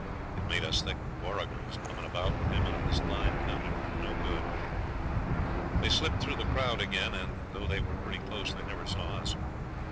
It made us think that Warrigal's coming about with him on this line counted for no good. They slipped through the crowd again, and, though they were pretty close, they never saw us.